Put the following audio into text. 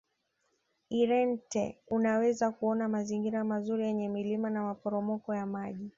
irente unaweza kuona mazingira mazuri yenye milima na maporomoko ya maji